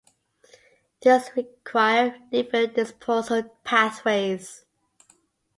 These require different disposal pathways.